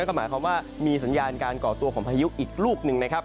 ก็หมายความว่ามีสัญญาณการก่อตัวของพายุอีกลูกหนึ่งนะครับ